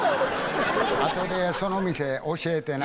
後でその店教えてな。